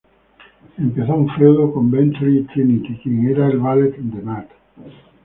Empezó un feudo con Bentley y Trinity, quien era el valet de Matt.